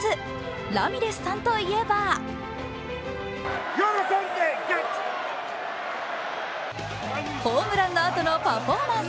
ラミレスさんと言えばホームランのあとのパフォーマンス。